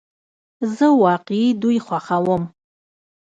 زه واقعی دوی خوښوم